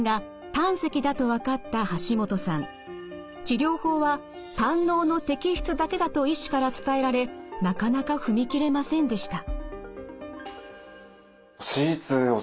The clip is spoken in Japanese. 治療法は胆のうの摘出だけだと医師から伝えられなかなか踏み切れませんでした。